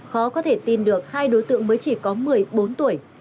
khó có thể tin được hai đối tượng mới chỉ có một mươi bốn tuổi